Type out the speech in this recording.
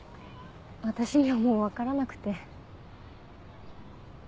私にはもう分からなくて。